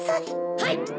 はい！